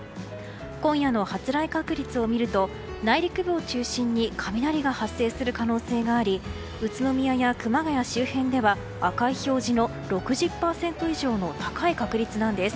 今夜の発雷確率を見ると内陸部を中心に雷が発生する恐れがあり宇都宮や熊谷周辺では赤い表示の６０％以上の高い確率なんです。